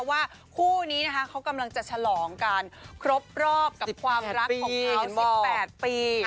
ว่าคู่นี้นะคะเขากำลังจะฉลองกันครบรอบกับความรักของอายุ๑๘ปี